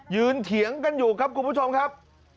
เถียงกันอยู่ครับคุณผู้ชมครับ